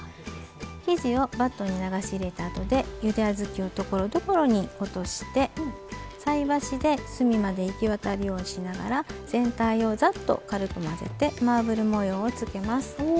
生地をバットに流し入れたあとでゆで小豆をところどころに落として菜箸で隅まで行き渡るようにしながら全体をざっと軽く混ぜてマーブル模様をつけます。